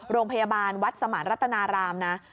โรงพยาบาลวัดสมานรัตนารามนะ